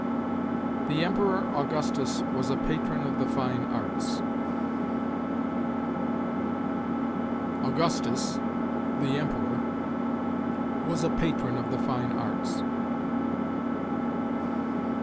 "The Emperor Augustus was a patron of the fine arts." "Augustus, the Emperor, was a patron of the fine arts."